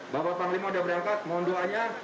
bapak panglima sudah berangkat mohon doanya